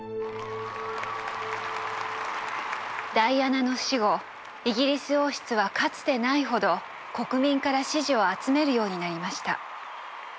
ダイアナの死後イギリス王室はかつてないほど国民から支持を集めるようになりました。